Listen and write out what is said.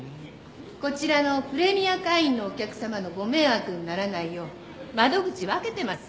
こちらのプレミア会員のお客様のご迷惑にならないよう窓口分けてます。